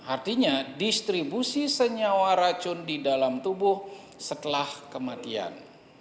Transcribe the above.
artinya distribusi senyawa racun di dalam tubuh setelah kematian